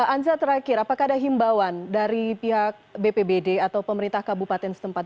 anza terakhir apakah ada himbauan dari pihak bpbd atau pemerintah kabupaten setempat